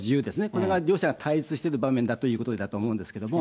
これが両者、対立している場面だということだと思うんですけれども。